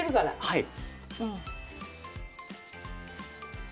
はい。